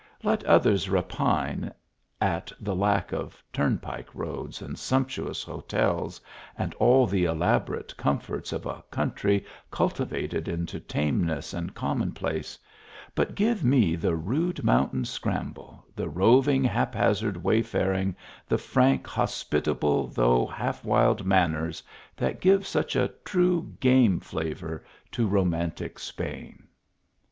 Let others repine at the lack of turnpike roads and sumptuous hotels, ami all the elaborate comforts of a country cultivated into tameness and common place, but give me the rude mountain scramble, the roving haphazard way faring, the frank, hospitable, though" half wild manners, that give such a true game flavour to romantic Spain